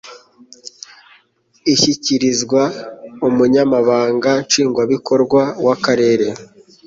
ishyikirizwa umunyamabanga nshingwabikorwa w akarere